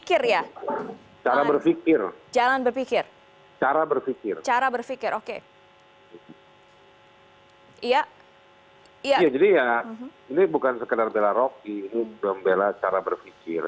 iya jadi ya ini bukan sekedar bela rocky ini bela cara berpikir